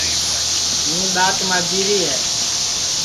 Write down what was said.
ہوں دؔات ماجی ری ہے